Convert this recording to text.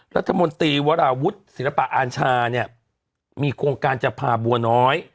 รัฐมนตรีวราวุฒิศิลปะอาชาเนี่ยมีโครงการจะพาบัวน้อย